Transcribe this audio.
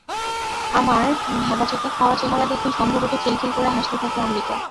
আমার ভ্যাবাচ্যাকা খাওয়া চেহারা দেখেই সম্ভবত খিলখিল করে হাসতে থাকে অমৃতা।